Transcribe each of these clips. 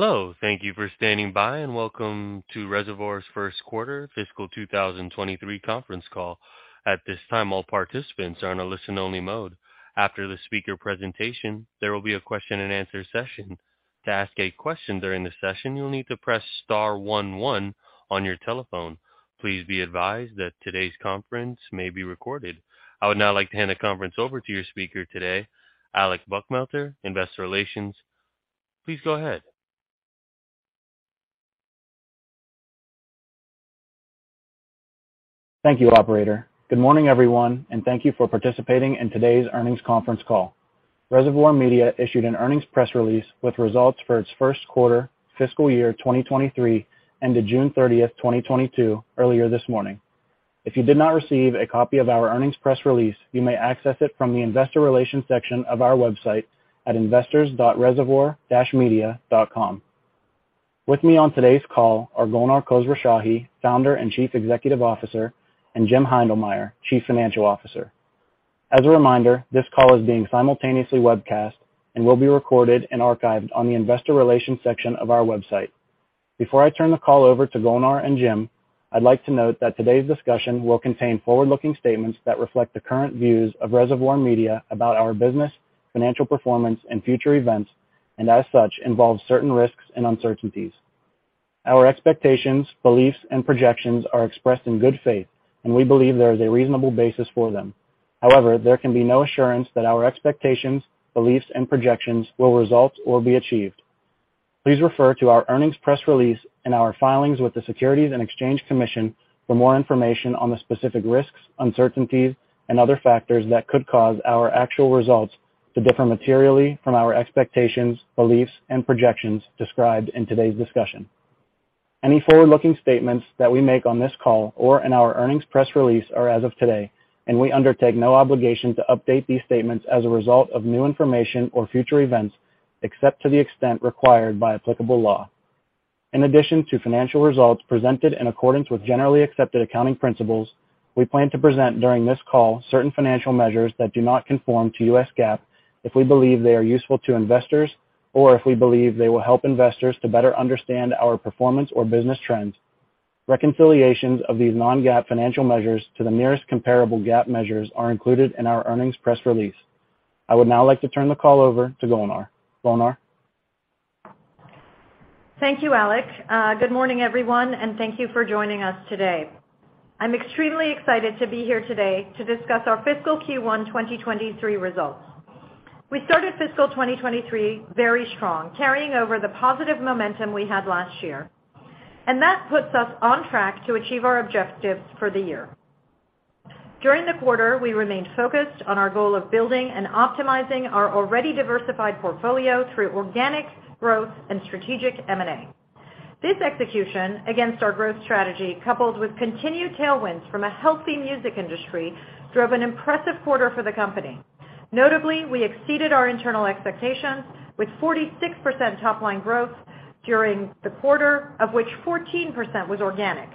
Hello, thank you for standing by, and welcome to Reservoir's first quarter fiscal 2023 conference call. At this time, all participants are in a listen only mode. After the speaker presentation, there will be a question and answer session. To ask a question during the session, you'll need to press star one one on your telephone. Please be advised that today's conference may be recorded. I would now like to hand the conference over to your speaker today, Alec Buchmelter, Investor Relations. Please go ahead. Thank you, operator. Good morning, everyone, and thank you for participating in today's earnings conference call. Reservoir Media issued an earnings press release with results for its first quarter fiscal year 2023 ended June 30th, 2022 earlier this morning. If you did not receive a copy of our earnings press release, you may access it from the investor relations section of our website at investors.reservoir-media.com. With me on today's call are Golnar Khosrowshahi, Founder and Chief Executive Officer, and Jim Heindlmeyer, Chief Financial Officer. As a reminder, this call is being simultaneously webcast and will be recorded and archived on the investor relations section of our website. Before I turn the call over to Golnar and Jim, I'd like to note that today's discussion will contain forward-looking statements that reflect the current views of Reservoir Media about our business, financial performance, and future events, and as such, involves certain risks and uncertainties. Our expectations, beliefs, and projections are expressed in good faith, and we believe there is a reasonable basis for them. However, there can be no assurance that our expectations, beliefs, and projections will result or be achieved. Please refer to our earnings press release and our filings with the Securities and Exchange Commission for more information on the specific risks, uncertainties, and other factors that could cause our actual results to differ materially from our expectations, beliefs, and projections described in today's discussion. Any forward-looking statements that we make on this call or in our earnings press release are as of today, and we undertake no obligation to update these statements as a result of new information or future events, except to the extent required by applicable law. In addition to financial results presented in accordance with generally accepted accounting principles, we plan to present during this call certain financial measures that do not conform to US GAAP if we believe they are useful to investors or if we believe they will help investors to better understand our performance or business trends. Reconciliations of these non-GAAP financial measures to the nearest comparable GAAP measures are included in our earnings press release. I would now like to turn the call over to Golnar. Golnar? Thank you, Alex. Good morning, everyone, and thank you for joining us today. I'm extremely excited to be here today to discuss our fiscal Q1 2023 results. We started fiscal 2023 very strong, carrying over the positive momentum we had last year, and that puts us on track to achieve our objectives for the year. During the quarter, we remained focused on our goal of building and optimizing our already diversified portfolio through organic growth and strategic M&A. This execution against our growth strategy, coupled with continued tailwinds from a healthy music industry, drove an impressive quarter for the company. Notably, we exceeded our internal expectations with 46% top-line growth during the quarter, of which 14% was organic.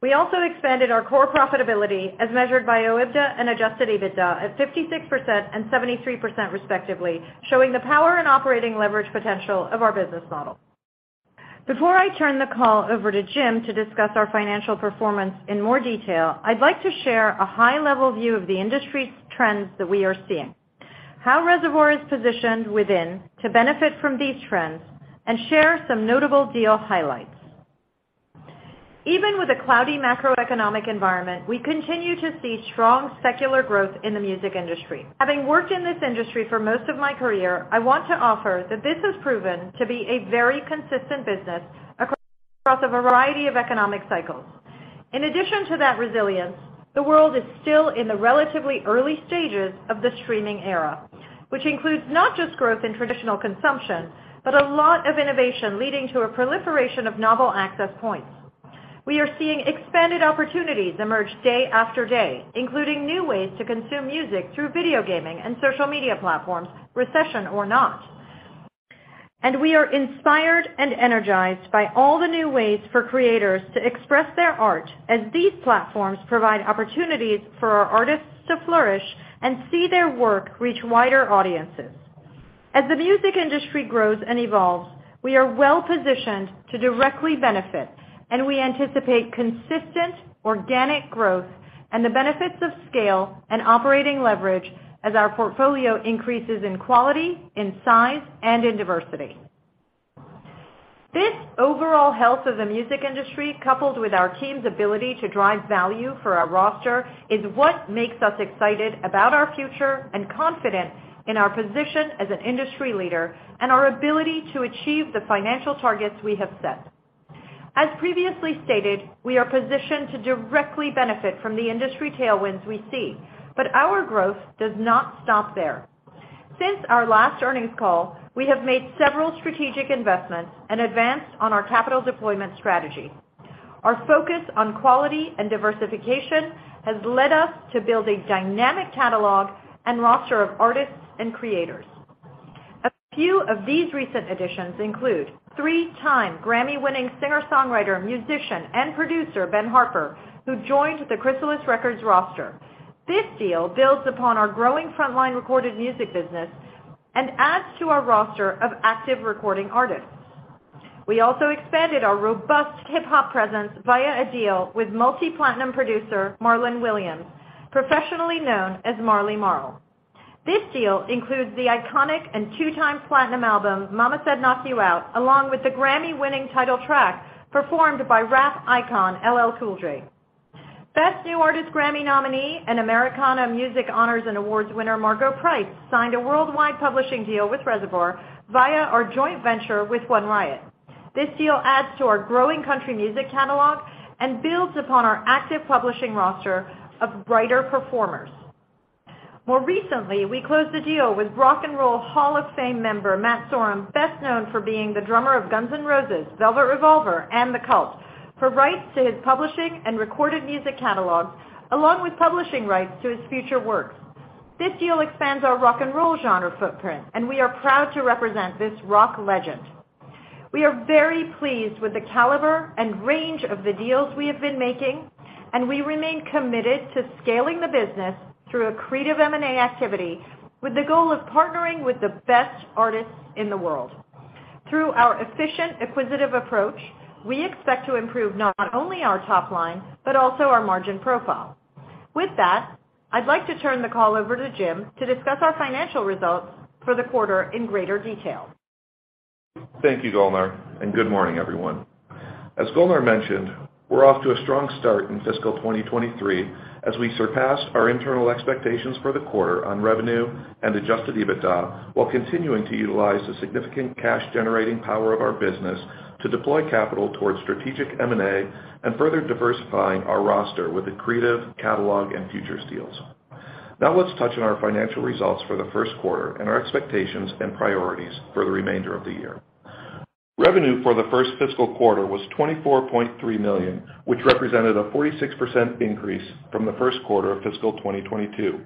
We also expanded our core profitability as measured by OIBDA and Adjusted EBITDA at 56% and 73% respectively, showing the power and operating leverage potential of our business model. Before I turn the call over to Jim to discuss our financial performance in more detail, I'd like to share a high-level view of the industry's trends that we are seeing, how Reservoir is positioned within to benefit from these trends and share some notable deal highlights. Even with a cloudy macroeconomic environment, we continue to see strong secular growth in the music industry. Having worked in this industry for most of my career, I want to offer that this has proven to be a very consistent business across a variety of economic cycles. In addition to that resilience, the world is still in the relatively early stages of the streaming era, which includes not just growth in traditional consumption, but a lot of innovation leading to a proliferation of novel access points. We are seeing expanded opportunities emerge day after day, including new ways to consume music through video gaming and social media platforms, recession or not. We are inspired and energized by all the new ways for creators to express their art as these platforms provide opportunities for our artists to flourish and see their work reach wider audiences. As the music industry grows and evolves, we are well-positioned to directly benefit, and we anticipate consistent organic growth and the benefits of scale and operating leverage as our portfolio increases in quality, in size, and in diversity. This overall health of the music industry, coupled with our team's ability to drive value for our roster, is what makes us excited about our future and confident in our position as an industry leader and our ability to achieve the financial targets we have set. As previously stated, we are positioned to directly benefit from the industry tailwinds we see, but our growth does not stop there. Since our last earnings call, we have made several strategic investments and advanced on our capital deployment strategy. Our focus on quality and diversification has led us to build a dynamic catalog and roster of artists and creators. A few of these recent additions include three-time Grammy-winning singer, songwriter, musician, and producer, Ben Harper, who joined the Chrysalis Records roster. This deal builds upon our growing frontline recorded music business and adds to our roster of active recording artists. We also expanded our robust hip-hop presence via a deal with multi-platinum producer Marlon Williams, professionally known as Marley Marl. This deal includes the iconic and two-time platinum album, Mama Said Knock You Out, along with the Grammy-winning title track performed by rap icon LL Cool J. Best New Artist Grammy nominee and Americana Music Honors & Awards winner Margo Price signed a worldwide publishing deal with Reservoir via our joint venture with One Riot. This deal adds to our growing country music catalog and builds upon our active publishing roster of writer performers. More recently, we closed the deal with Rock and Roll Hall of Fame member Matt Sorum, best known for being the drummer of Guns N' Roses, Velvet Revolver, and The Cult, for rights to his publishing and recorded music catalog, along with publishing rights to his future works. This deal expands our rock and roll genre footprint, and we are proud to represent this rock legend. We are very pleased with the caliber and range of the deals we have been making, and we remain committed to scaling the business through accretive M&A activity with the goal of partnering with the best artists in the world. Through our efficient, acquisitive approach, we expect to improve not only our top line but also our margin profile. With that, I'd like to turn the call over to Jim to discuss our financial results for the quarter in greater detail. Thank you, Golnar, and good morning, everyone. As Golnar mentioned, we're off to a strong start in fiscal 2023 as we surpassed our internal expectations for the quarter on revenue and adjusted EBITDA while continuing to utilize the significant cash-generating power of our business to deploy capital towards strategic M&A and further diversifying our roster with accretive catalog and futures deals. Now let's touch on our financial results for the first quarter and our expectations and priorities for the remainder of the year. Revenue for the first fiscal quarter was $24.3 million, which represented a 46% increase from the first quarter of fiscal 2022.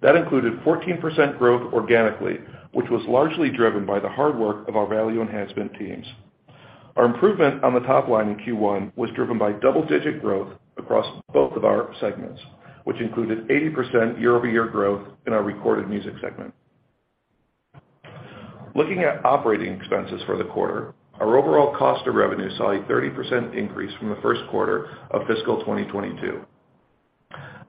That included 14% growth organically, which was largely driven by the hard work of our value enhancement teams. Our improvement on the top line in Q1 was driven by double-digit growth across both of our segments, which included 80% year-over-year growth in our recorded music segment. Looking at operating expenses for the quarter, our overall cost of revenue saw a 30% increase from the first quarter of fiscal 2022.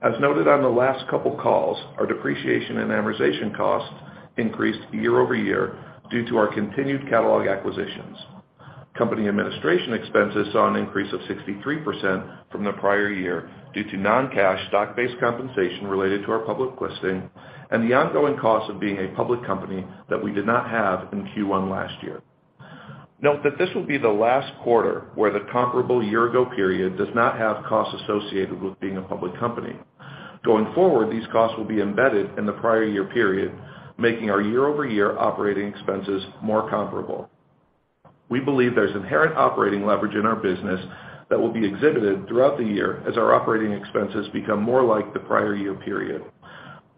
As noted on the last couple calls, our depreciation and amortization costs increased year-over-year due to our continued catalog acquisitions. Company administration expenses saw an increase of 63% from the prior year due to non-cash stock-based compensation related to our public listing and the ongoing cost of being a public company that we did not have in Q1 last year. Note that this will be the last quarter where the comparable year-ago period does not have costs associated with being a public company. Going forward, these costs will be embedded in the prior year period, making our year-over-year operating expenses more comparable. We believe there's inherent operating leverage in our business that will be exhibited throughout the year as our operating expenses become more like the prior year period.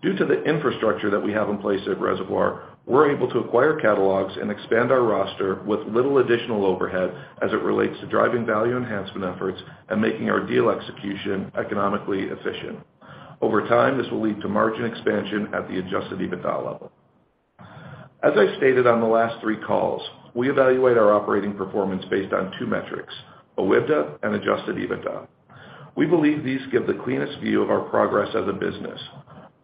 Due to the infrastructure that we have in place at Reservoir, we're able to acquire catalogs and expand our roster with little additional overhead as it relates to driving value enhancement efforts and making our deal execution economically efficient. Over time, this will lead to margin expansion at the Adjusted EBITDA level. As I stated on the last three calls, we evaluate our operating performance based on two metrics, OIBDA and Adjusted EBITDA. We believe these give the cleanest view of our progress as a business.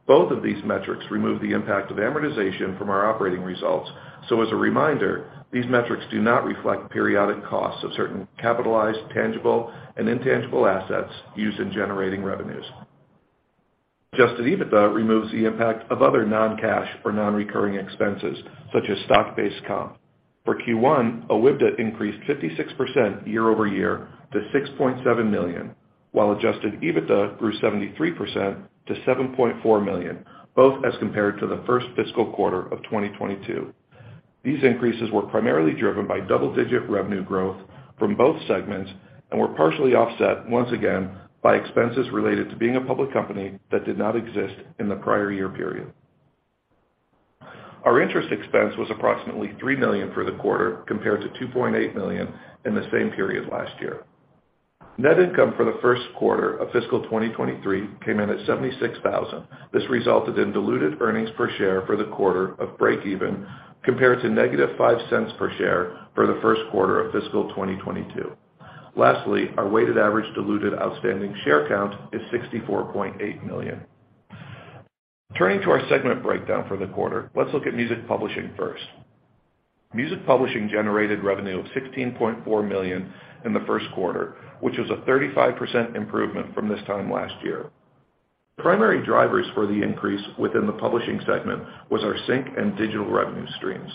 Both of these metrics remove the impact of amortization from our operating results, so as a reminder, these metrics do not reflect periodic costs of certain capitalized, tangible, and intangible assets used in generating revenues. Adjusted EBITDA removes the impact of other non-cash or non-recurring expenses, such as stock-based comp. For Q1, OIBDA increased 56% year-over-year to $6.7 million, while Adjusted EBITDA grew 73% to $7.4 million, both as compared to the first fiscal quarter of 2022. These increases were primarily driven by double-digit revenue growth from both segments and were partially offset, once again, by expenses related to being a public company that did not exist in the prior year period. Our interest expense was approximately $3 million for the quarter, compared to $2.8 million in the same period last year. Net income for the first quarter of fiscal 2023 came in at $76,000. This resulted in diluted earnings per share for the quarter of breakeven, compared to -$0.05 per share for the first quarter of fiscal 2022. Lastly, our weighted average diluted outstanding share count is 64.8 million. Turning to our segment breakdown for the quarter, let's look at music publishing first. Music publishing generated revenue of $16.4 million in the first quarter, which was a 35% improvement from this time last year. The primary drivers for the increase within the publishing segment was our sync and digital revenue streams.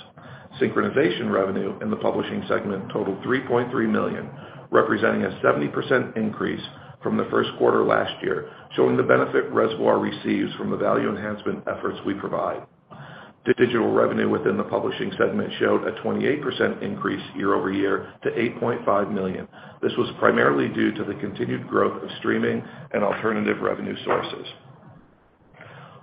Synchronization revenue in the publishing segment totaled $3.3 million, representing a 70% increase from the first quarter last year, showing the benefit Reservoir receives from the value enhancement efforts we provide. Digital revenue within the publishing segment showed a 28% increase year-over-year to $8.5 million. This was primarily due to the continued growth of streaming and alternative revenue sources.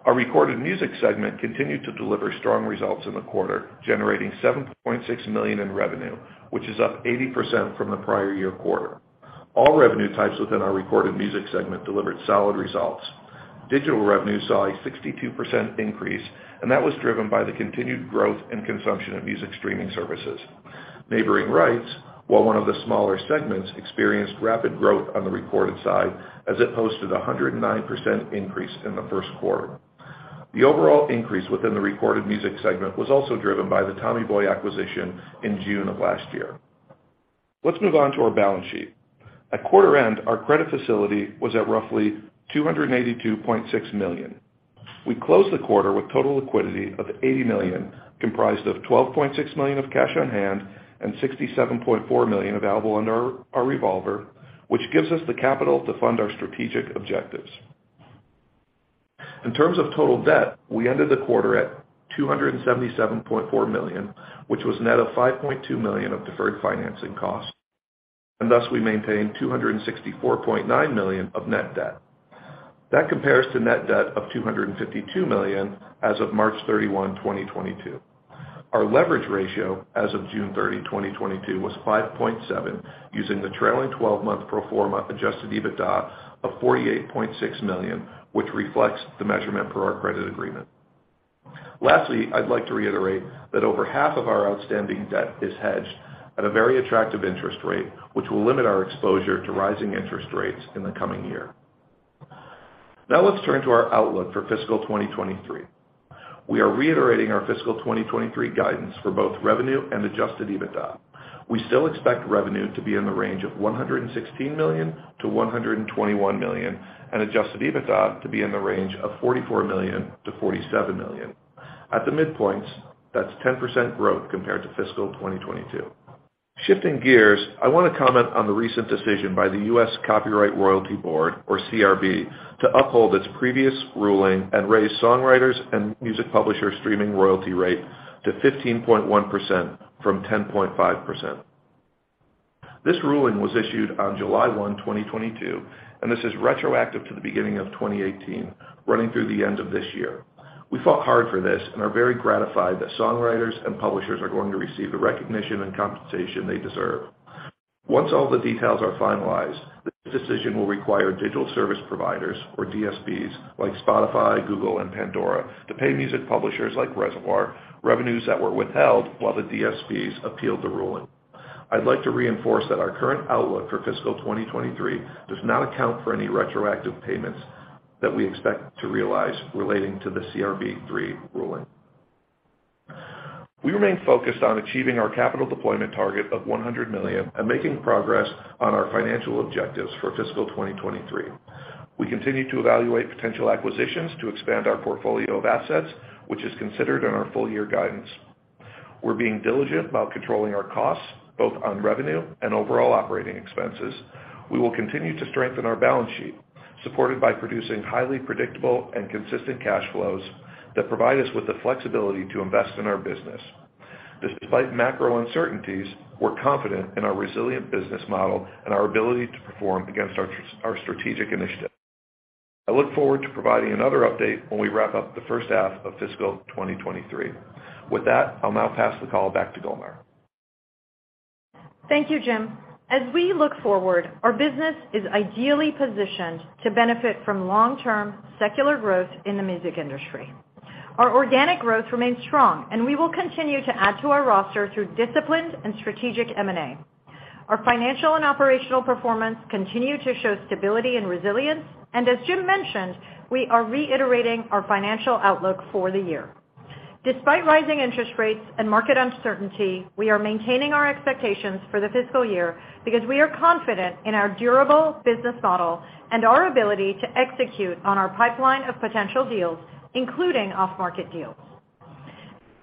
Our recorded music segment continued to deliver strong results in the quarter, generating $7.6 million in revenue, which is up 80% from the prior year quarter. All revenue types within our recorded music segment delivered solid results. Digital revenue saw a 62% increase, and that was driven by the continued growth and consumption of music streaming services. Neighboring rights, while one of the smaller segments, experienced rapid growth on the recorded side as it posted a 109% increase in the first quarter. The overall increase within the recorded music segment was also driven by the Tommy Boy acquisition in June of last year. Let's move on to our balance sheet. At quarter end, our credit facility was at roughly $282.6 million. We closed the quarter with total liquidity of $80 million, comprised of $12.6 million of cash on hand and $67.4 million available under our revolver, which gives us the capital to fund our strategic objectives. In terms of total debt, we ended the quarter at $277.4 million, which was net of $5.2 million of deferred financing costs, and thus we maintained $264.9 million of net debt. That compares to net debt of $252 million as of March 31, 2022. Our leverage ratio as of June 30, 2022 was 5.7, using the trailing twelve-month pro forma adjusted EBITDA of $48.6 million, which reflects the measurement per our credit agreement. Lastly, I'd like to reiterate that over half of our outstanding debt is hedged at a very attractive interest rate, which will limit our exposure to rising interest rates in the coming year. Now let's turn to our outlook for fiscal 2023. We are reiterating our fiscal 2023 guidance for both revenue and Adjusted EBITDA. We still expect revenue to be in the range of $116 million-$121 million, and Adjusted EBITDA to be in the range of $44 million-$47 million. At the midpoints, that's 10% growth compared to fiscal 2022. Shifting gears, I wanna comment on the recent decision by the U.S. Copyright Royalty Board, or CRB, to uphold its previous ruling and raise songwriters' and music publishers' streaming royalty rate to 15.1% from 10.5%. This ruling was issued on July 1, 2022, and this is retroactive to the beginning of 2018, running through the end of this year. We fought hard for this and are very gratified that songwriters and publishers are going to receive the recognition and compensation they deserve. Once all the details are finalized, this decision will require digital service providers, or DSPs, like Spotify, Google, and Pandora, to pay music publishers like Reservoir revenues that were withheld while the DSPs appealed the ruling. I'd like to reinforce that our current outlook for fiscal 2023 does not account for any retroactive payments that we expect to realize relating to the CRB3 ruling. We remain focused on achieving our capital deployment target of $100 million and making progress on our financial objectives for fiscal 2023. We continue to evaluate potential acquisitions to expand our portfolio of assets, which is considered in our full year guidance. We're being diligent about controlling our costs, both on revenue and overall operating expenses. We will continue to strengthen our balance sheet, supported by producing highly predictable and consistent cash flows that provide us with the flexibility to invest in our business. Despite macro uncertainties, we're confident in our resilient business model and our ability to perform against our strategic initiatives. I look forward to providing another update when we wrap up the first half of fiscal 2023. With that, I'll now pass the call back to Golnar. Thank you, Jim. As we look forward, our business is ideally positioned to benefit from long-term secular growth in the music industry. Our organic growth remains strong, and we will continue to add to our roster through disciplined and strategic M&A. Our financial and operational performance continue to show stability and resilience, and as Jim mentioned, we are reiterating our financial outlook for the year. Despite rising interest rates and market uncertainty, we are maintaining our expectations for the fiscal year because we are confident in our durable business model and our ability to execute on our pipeline of potential deals, including off-market deals.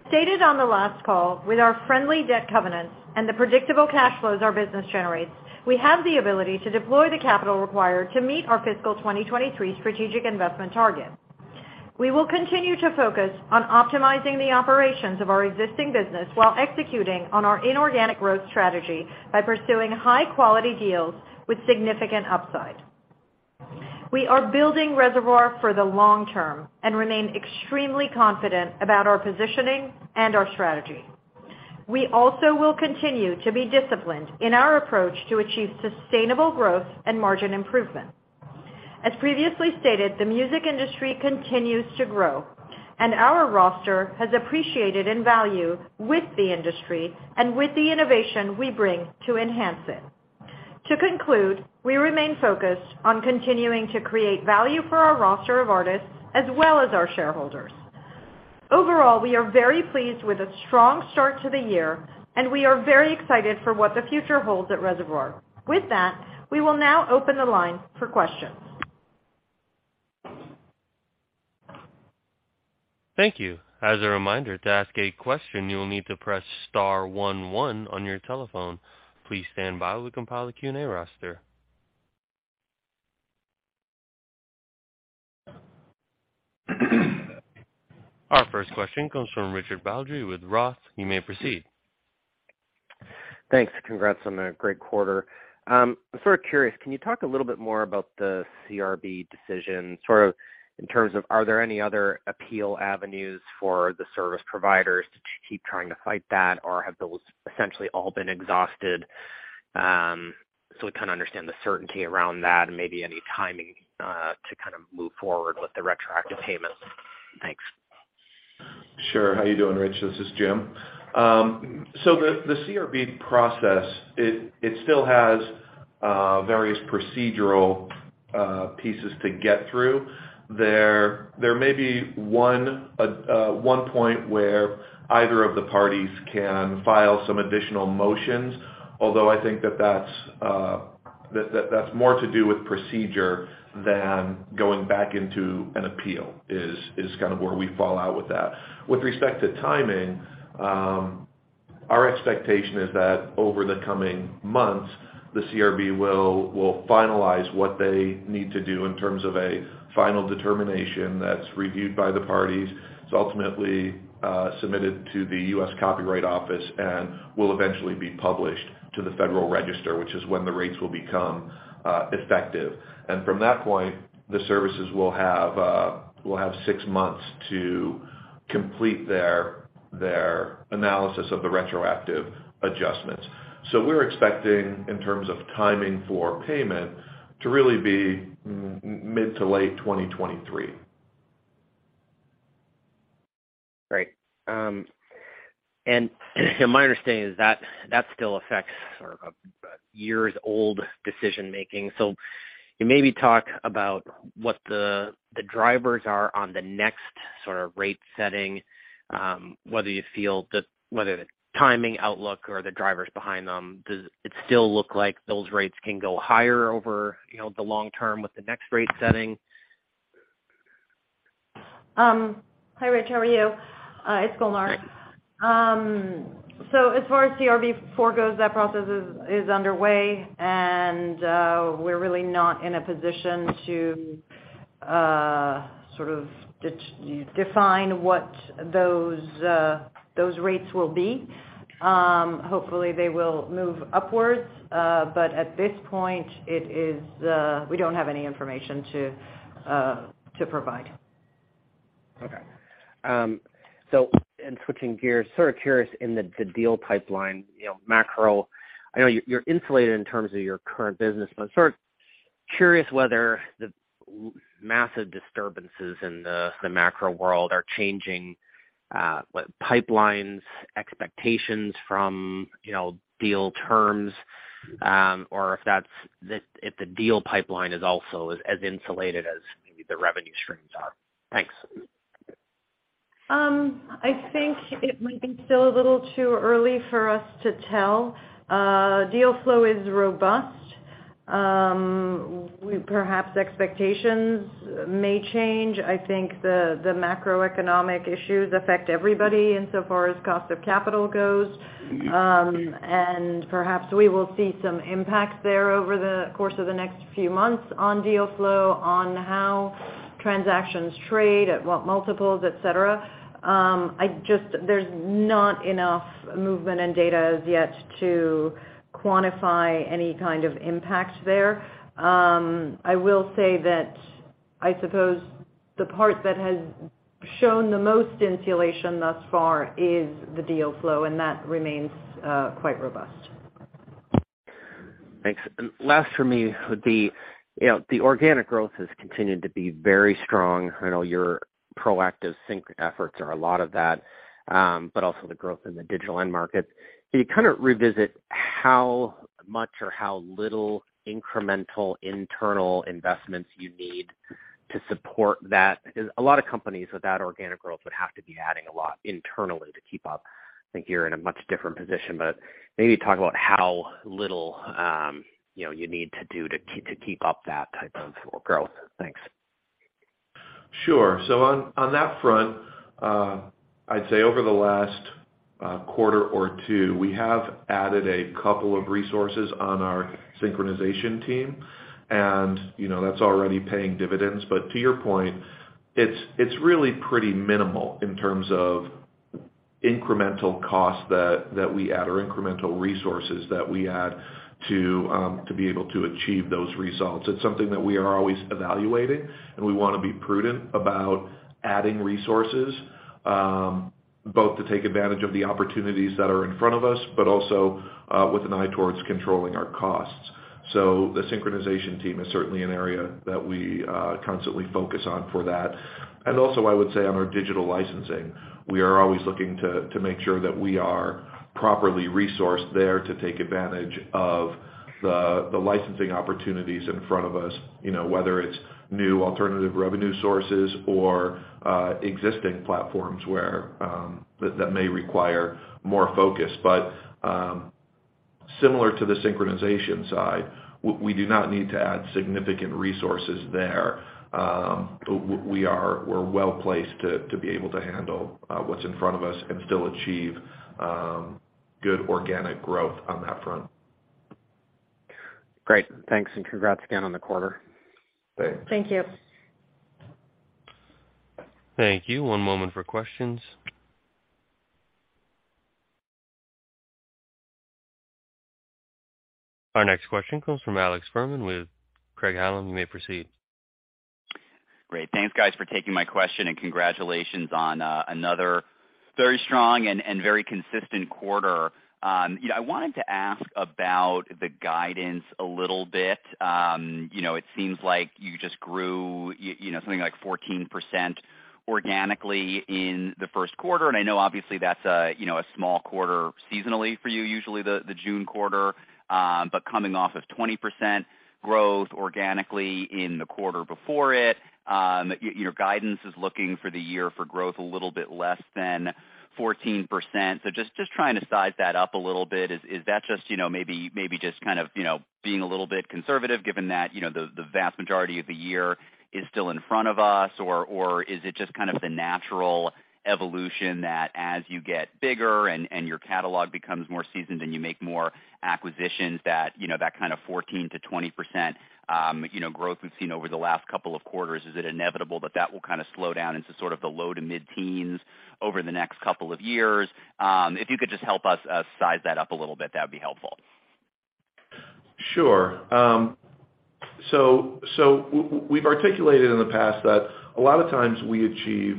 Stated on the last call, with our friendly debt covenants and the predictable cash flows our business generates, we have the ability to deploy the capital required to meet our fiscal 2023 strategic investment target. We will continue to focus on optimizing the operations of our existing business while executing on our inorganic growth strategy by pursuing high-quality deals with significant upside. We are building Reservoir for the long term and remain extremely confident about our positioning and our strategy. We also will continue to be disciplined in our approach to achieve sustainable growth and margin improvement. As previously stated, the music industry continues to grow, and our roster has appreciated in value with the industry and with the innovation we bring to enhance it. To conclude, we remain focused on continuing to create value for our roster of artists as well as our shareholders. Overall, we are very pleased with a strong start to the year, and we are very excited for what the future holds at Reservoir. With that, we will now open the line for questions. Thank you. As a reminder, to ask a question, you will need to press star one one on your telephone. Please stand by while we compile the Q&A roster. Our first question comes from Richard Baldry with Roth. You may proceed. Thanks. Congrats on a great quarter. I'm sort of curious, can you talk a little bit more about the CRB decision, sort of in terms of are there any other appeal avenues for the service providers to keep trying to fight that or have those essentially all been exhausted? We kind of understand the certainty around that and maybe any timing to kind of move forward with the retroactive payments. Thanks. Sure. How you doing, Rich? This is Jim. So the CRB process, it still has various procedural pieces to get through. There may be one point where either of the parties can file some additional motions. Although I think that's more to do with procedure than going back into an appeal is kind of where we fall out with that. With respect to timing, our expectation is that over the coming months, the CRB will finalize what they need to do in terms of a final determination that's reviewed by the parties. It's ultimately submitted to the U.S. Copyright Office and will eventually be published to the Federal Register, which is when the rates will become effective. From that point, the services will have six months to complete their analysis of the retroactive adjustments. We're expecting in terms of timing for payment to really be mid- to late 2023. Great. My understanding is that that still affects sort of years-old decision-making. Can you maybe talk about what the drivers are on the next sort of rate setting, whether you feel that the timing outlook or the drivers behind them, does it still look like those rates can go higher over, you know, the long term with the next rate setting? Hi, Rich. How are you? It's Golnar. As far as Phonorecords IV goes, that process is underway, and we're really not in a position to sort of define what those rates will be. Hopefully they will move upwards, but at this point we don't have any information to provide. Okay. Switching gears, sort of curious in the deal pipeline, you know, macro. I know you're insulated in terms of your current business, but sort of curious whether the massive disturbances in the macro world are changing what pipeline's expectations for, you know, deal terms, or if the deal pipeline is also as insulated as maybe the revenue streams are. Thanks. I think it might be still a little too early for us to tell. Deal flow is robust. Perhaps expectations may change. I think the macroeconomic issues affect everybody in so far as cost of capital goes. Perhaps we will see some impacts there over the course of the next few months on deal flow, on how transactions trade, at what multiples, et cetera. There's not enough movement and data as yet to quantify any kind of impact there. I will say that I suppose the part that has shown the most insulation thus far is the deal flow, and that remains quite robust. Thanks. Last for me, you know, the organic growth has continued to be very strong. I know your proactive sync efforts are a lot of that, but also the growth in the digital end markets. Can you kind of revisit how much or how little incremental internal investments you need to support that? Because a lot of companies with that organic growth would have to be adding a lot internally to keep up. I think you're in a much different position, but maybe talk about how little, you know, you need to do to keep up that type of growth. Thanks. Sure. On that front, I'd say over the last quarter or two, we have added a couple of resources on our synchronization team and, you know, that's already paying dividends. To your point, it's really pretty minimal in terms of incremental costs that we add or incremental resources that we add to be able to achieve those results. It's something that we are always evaluating, and we wanna be prudent about adding resources, both to take advantage of the opportunities that are in front of us, but also with an eye towards controlling our costs. The synchronization team is certainly an area that we constantly focus on for that. Also, I would say on our digital licensing, we are always looking to make sure that we are properly resourced there to take advantage of the licensing opportunities in front of us, you know, whether it's new alternative revenue sources or existing platforms where that may require more focus. Similar to the synchronization side, we do not need to add significant resources there. We are well-placed to be able to handle what's in front of us and still achieve good organic growth on that front. Great. Thanks, and congrats again on the quarter. Thanks. Thank you. Thank you. One moment for questions. Our next question comes from Alex Fuhrman with Craig-Hallum. You may proceed. Great. Thanks, guys, for taking my question, and congratulations on another very strong and very consistent quarter. You know, I wanted to ask about the guidance a little bit. You know, it seems like you just grew you know, something like 14% organically in the first quarter, and I know obviously that's a you know, a small quarter seasonally for you, usually the June quarter. But coming off of 20% growth organically in the quarter before it, your guidance is looking for the year for growth a little bit less than 14%. So just trying to size that up a little bit. Is that just you know, maybe just kind of you know, being a little bit conservative given that you know, the vast majority of the year is still in front of us? Is it just kind of the natural evolution that as you get bigger and your catalog becomes more seasoned and you make more acquisitions that, you know, that kind of 14%-20%, you know, growth we've seen over the last couple of quarters, is it inevitable that that will kind of slow down into sort of the low- to mid-teens% over the next couple of years? If you could just help us size that up a little bit, that would be helpful. Sure. We've articulated in the past that a lot of times we achieve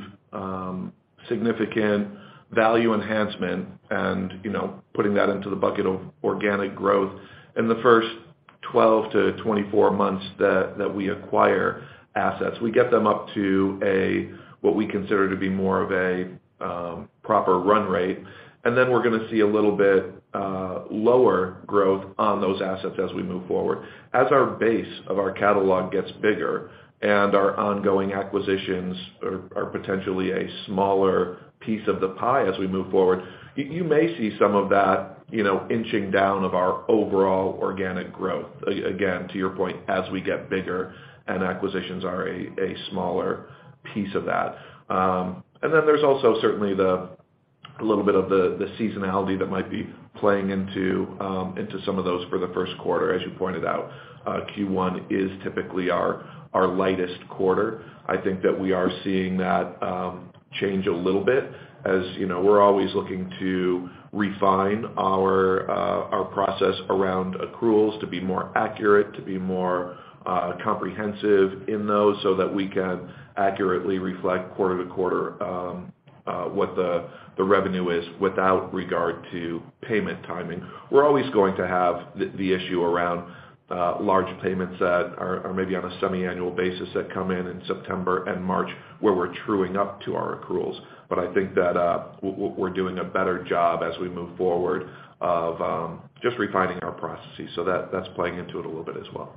significant value enhancement and, you know, putting that into the bucket of organic growth in the first 12-24 months that we acquire assets. We get them up to a what we consider to be more of a proper run rate. Then we're gonna see a little bit lower growth on those assets as we move forward. As our base of our catalog gets bigger and our ongoing acquisitions are potentially a smaller piece of the pie as we move forward, you may see some of that, you know, inching down of our overall organic growth, again, to your point, as we get bigger and acquisitions are a smaller piece of that. Then there's also certainly a little bit of the seasonality that might be playing into some of those for the first quarter, as you pointed out. Q1 is typically our lightest quarter. I think that we are seeing that change a little bit as you know, we're always looking to refine our process around accruals to be more accurate, to be more comprehensive in those so that we can accurately reflect quarter to quarter what the revenue is without regard to payment timing. We're always going to have the issue around large payments that are maybe on a semiannual basis that come in in September and March, where we're truing up to our accruals. I think that we're doing a better job as we move forward of just refining our processes. That's playing into it a little bit as well.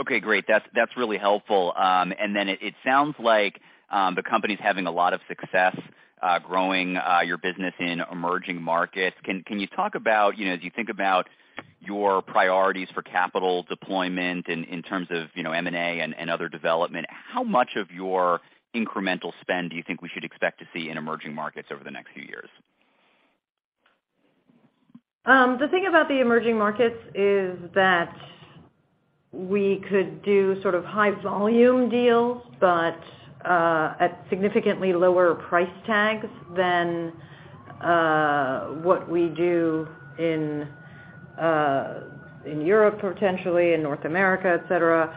Okay, great. That's really helpful. It sounds like the company's having a lot of success growing your business in emerging markets. Can you talk about, you know, as you think about your priorities for capital deployment in terms of, you know, M&A and other development, how much of your incremental spend do you think we should expect to see in emerging markets over the next few years? The thing about the emerging markets is that we could do sort of high volume deals, but at significantly lower price tags than what we do in in Europe, potentially in North America, et cetera.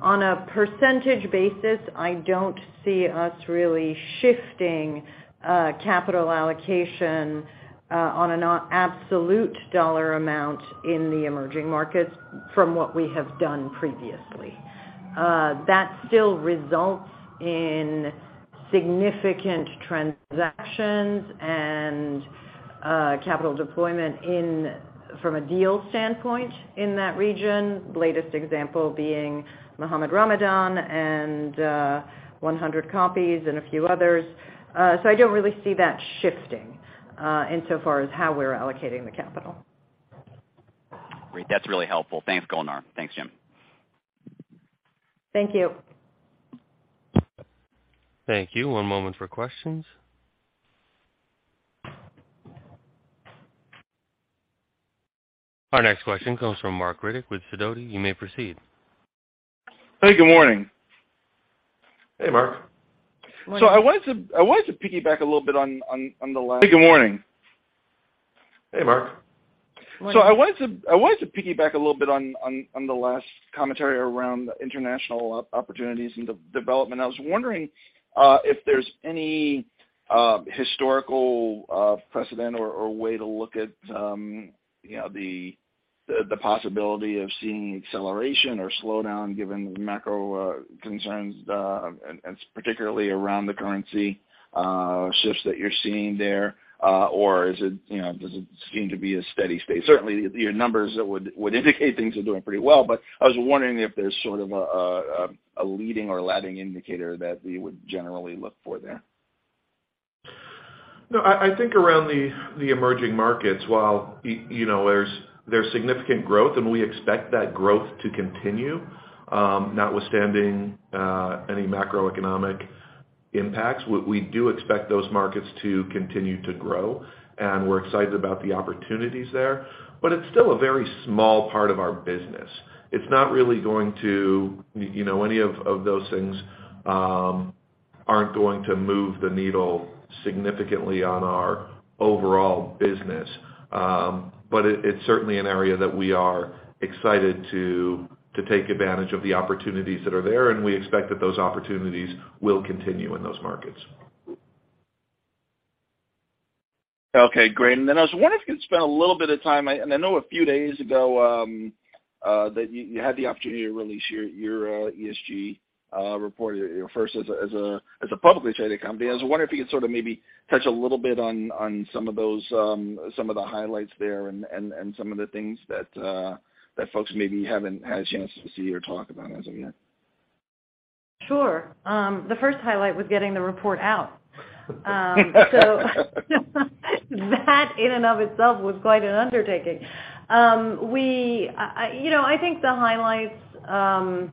On a percentage basis, I don't see us really shifting capital allocation on an absolute dollar amount in the emerging markets from what we have done previously. That still results in significant transactions and capital deployment in from a deal standpoint in that region. Latest example being Mohamed Ramadan and One Hundred Copies and a few others. I don't really see that shifting insofar as how we're allocating the capital. Great. That's really helpful. Thanks, Golnar. Thanks, Jim. Thank you. Thank you. One moment for questions. Our next question comes from Marc Riddick with Sidoti. You may proceed. Hey, good morning. Hey, Marc. Good morning. I wanted to piggyback a little bit on. Hey, good morning. Hey, Marc. Good morning. I wanted to piggyback a little bit on the last commentary around international opportunities and development. I was wondering if there's any historical precedent or way to look at, you know, the possibility of seeing acceleration or slowdown given the macro concerns and particularly around the currency shifts that you're seeing there. Or is it, you know, does it seem to be a steady state? Certainly your numbers would indicate things are doing pretty well, but I was wondering if there's sort of a leading or lagging indicator that we would generally look for there. No, I think around the emerging markets, while you know, there's significant growth and we expect that growth to continue, notwithstanding any macroeconomic impacts, we do expect those markets to continue to grow, and we're excited about the opportunities there. It's still a very small part of our business. It's not really going to, you know, any of those things aren't going to move the needle significantly on our overall business. It's certainly an area that we are excited to take advantage of the opportunities that are there, and we expect that those opportunities will continue in those markets. Okay, great. Then I was wondering if you could spend a little bit of time, and I know a few days ago that you had the opportunity to release your ESG report, you know, first as a publicly traded company. I was wondering if you could sort of maybe touch a little bit on some of those, some of the highlights there and some of the things that folks maybe haven't had a chance to see or talk about as of yet. Sure. The first highlight was getting the report out. That in and of itself was quite an undertaking. You know, I think the highlights on that,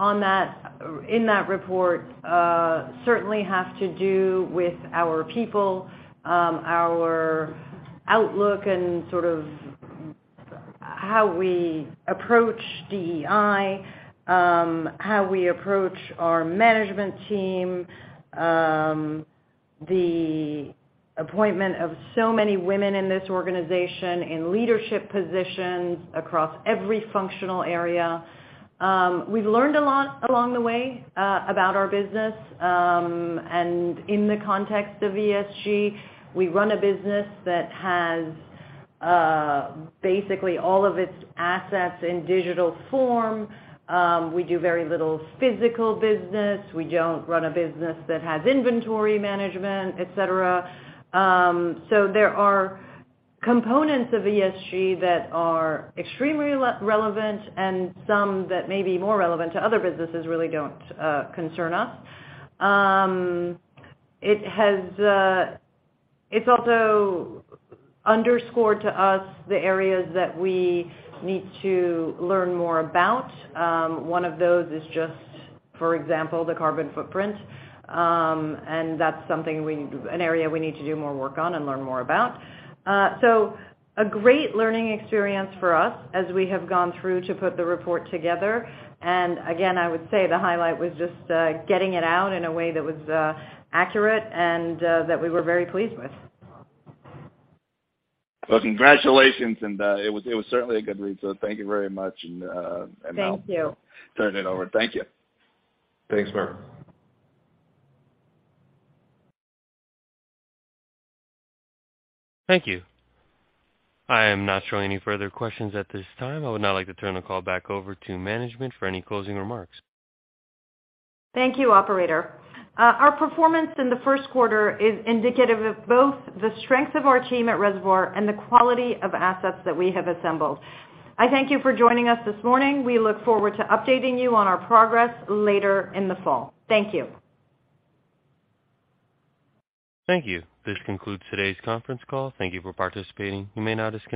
in that report certainly have to do with our people, our outlook and sort of how we approach DEI, how we approach our management team, the appointment of so many women in this organization in leadership positions across every functional area. We've learned a lot along the way about our business, and in the context of ESG, we run a business that has basically all of its assets in digital form. We do very little physical business. We don't run a business that has inventory management, et cetera. There are components of ESG that are extremely relevant and some that may be more relevant to other businesses really don't concern us. It's also underscored to us the areas that we need to learn more about. One of those is just, for example, the carbon footprint, and that's an area we need to do more work on and learn more about. A great learning experience for us as we have gone through to put the report together. Again, I would say the highlight was just getting it out in a way that was accurate and that we were very pleased with. Well, congratulations, and it was certainly a good read, so thank you very much, and I'll- Thank you. Turn it over. Thank you. Thanks, Marc. Thank you. I am not showing any further questions at this time. I would now like to turn the call back over to management for any closing remarks. Thank you, operator. Our performance in the first quarter is indicative of both the strength of our team at Reservoir and the quality of assets that we have assembled. I thank you for joining us this morning. We look forward to updating you on our progress later in the fall. Thank you. Thank you. This concludes today's conference call. Thank you for participating. You may now disconnect.